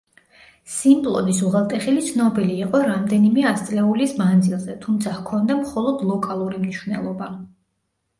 სიმპლონის უღელტეხილი ცნობილი იყო რამდენიმე ასწლეულის მანძილზე, თუმცა ჰქონდა მხოლოდ ლოკალური მნიშვნელობა.